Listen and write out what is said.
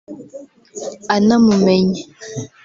anamumenye